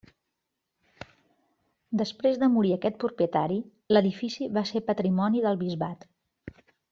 Després de morir aquest propietari l'edifici va ser patrimoni del bisbat.